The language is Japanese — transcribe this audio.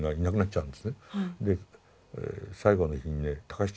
で最後の日にね節